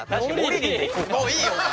もういいよお前。